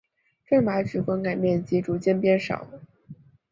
郑白渠灌溉面积逐渐减少。